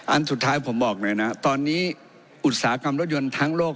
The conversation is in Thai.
อันสุดท้ายผมบอกเลยนะตอนนี้อุตสาหกรรมรถยนต์ทั้งโลก